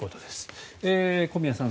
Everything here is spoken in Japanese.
小宮さん